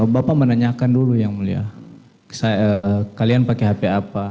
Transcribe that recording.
bapak menanyakan dulu yang mulia kalian pakai hp apa